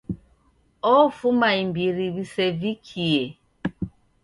Ofuma imbiri w'isevikie.